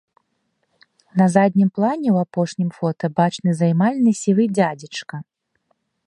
На заднім плане ў апошнім фота бачны займальны сівы дзядзечка.